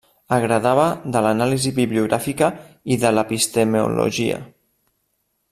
Agradava de l'anàlisi bibliogràfica i de l'epistemologia.